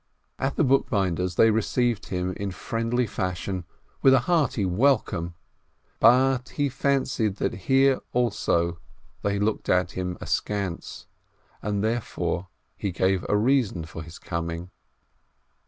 At the bookbinder's they received him in friendly fashion, with a hearty "Welcome !" but he fancied that REB SHLOIMEH 345 here also they looked at him askance, and therefore he gave a reason for his coming.